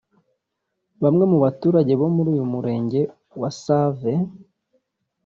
Bamwe mu baturage bo muri uyu Murenge wa Save